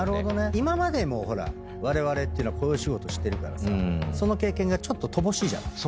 今までもわれわれってこういうお仕事してるからさその経験がちょっと乏しいじゃない。